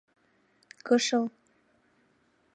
кышыл.